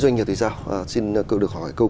doanh nghiệp thì sao xin được hỏi câu